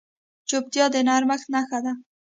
چوپتیا، د نرمښت نښه ده.